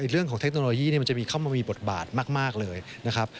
เรื่องของเทคโนโลยีมันจะเข้ามามีบทบาทมากเลยนะครับ